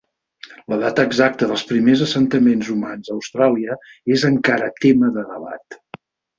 La data exacta dels primers assentaments humans a Austràlia és encara tema de debat.